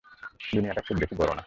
দুনিয়াটা খুব বেশি বড় না।